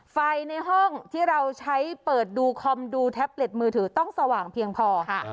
ในห้องที่เราใช้เปิดดูคอมดูแท็บเล็ตมือถือต้องสว่างเพียงพอค่ะ